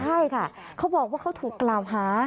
ใช่ค่ะเขาบอกว่าเขาถูกกล่าวหา